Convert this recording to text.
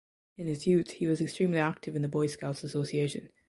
In his youth he was extremely active in The Boy Scouts Association.